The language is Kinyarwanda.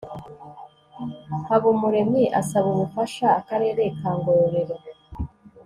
habumuremyi asaba ubufasha akarere ka ngororero